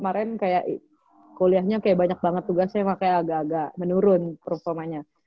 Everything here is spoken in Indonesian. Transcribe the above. makanya dia kemarin kuliahnya kayak banyak banget tugasnya caliber agak menurun performanya